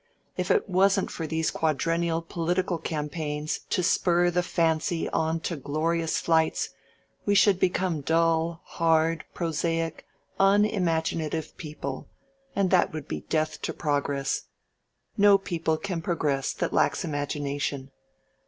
If it wasn't for these quadrennial political campaigns to spur the fancy on to glorious flights we should become a dull, hard, prosaic, unimaginative people, and that would be death to progress. No people can progress that lacks imagination.